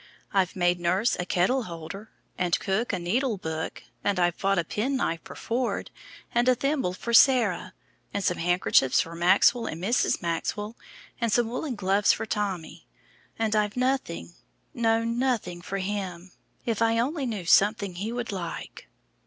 I've made nurse a kettleholder, and cook a needlebook, and I've bought a penknife for Ford, and a thimble for Sarah, and some handkerchiefs for Maxwell and Mrs. Maxwell, and some woolen gloves for Tommy. And I've nothing no nothing for Him. If I only knew something He would like."